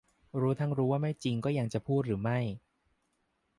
รู้ทั้งรู้ว่าไม่จริงก็ยังจะพูดหรือไม่